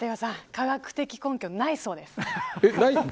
科学的根拠、ないそうです。